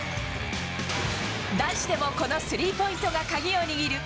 男子でも、このスリーポイントが鍵を握る。